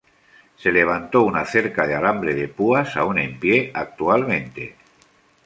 Se levantó una cerca de alambre de púas, aún en pie actualmente.